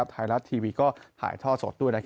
ไทยรัฐทีวีก็ถ่ายท่อสดด้วย